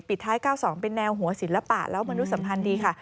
ท้าย๙๒เป็นแนวหัวศิลปะและมนุษย์สัมพันธ์ดีค่ะ